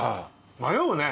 迷うね！